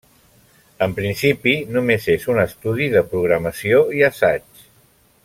En principi només és un estudi de programació i assaig.